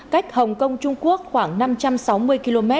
cách hồng kông trung quốc khoảng năm trăm sáu mươi km